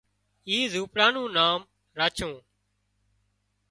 اي زونپڙا نُون نام راڇُون